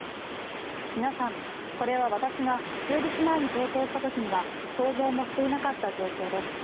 皆さん、これは私が数日前に投稿した時には想像もしていなかった状況です